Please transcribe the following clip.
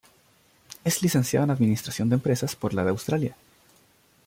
Es licenciado en administración de empresas por la de Australia.